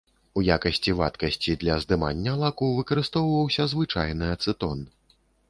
У якасці вадкасці для здымання лаку выкарыстоўваўся звычайны ацэтон.